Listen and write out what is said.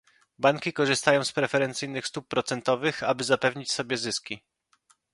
Banki korzystają z preferencyjnych stóp procentowych, aby zapewnić sobie zyski